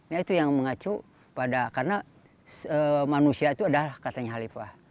ya itu yang mengacu pada karena manusia itu adalah katanya halifah